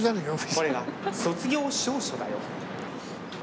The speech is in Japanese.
これが卒業証書だよ」。